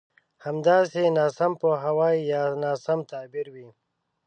همداسې ناسم پوهاوی يا ناسم تعبير وي.